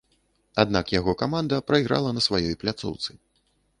Аднак яго каманда прайграла на сваёй пляцоўцы.